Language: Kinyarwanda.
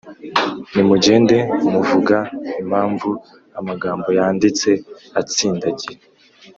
Nimugende muvuga impamvu amagambo yanditse atsindagiye,